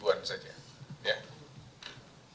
pak terkait jumlah teroris ini berapa pak